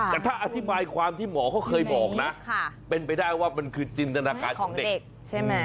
แต่ถ้าอธิบายความที่หมอเขาเคยบอกนะเป็นไปได้ว่ามันคือจินตนาการของเด็กใช่ไหม